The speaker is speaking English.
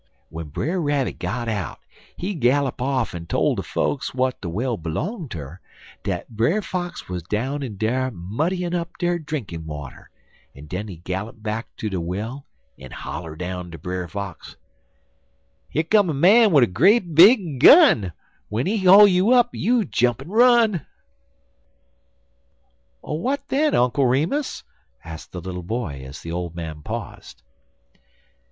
*1 "W'en Brer Rabbit got out, he gallop off en tole de fokes w'at de well blong ter dat Brer Fox wuz down in dar muddyin' up de drinkin' water, en den he gallop back ter de well, en holler down ter Brer Fox: "'Ye come a man wid a great big gun W'en he haul you up, you jump en run."' "What then, Uncle Remus?" asked the little boy, as the old man paused.